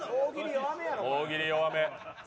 大喜利弱め。